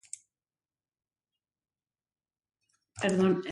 Ooká waʼapi inuwaéne kukučí waʼasi.